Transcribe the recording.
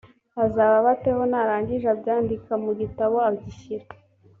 azaba aba teho n arangije abyandika mu gitabo agishyira